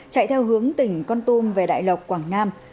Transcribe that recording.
chạy theo hướng tỉnh con tum về đại lộc quảng nam